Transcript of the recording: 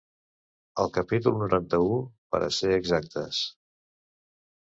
Al capítol noranta-un, per a ser exactes.